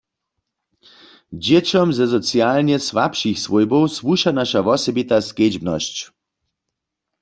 Dźěćom ze socialnje słabšich swójbow słuša naša wosebita skedźnosć.